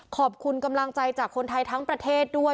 ขอบคุณกำลังใจจากคนไทยทั้งประเทศด้วย